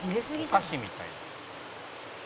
「お菓子みたい」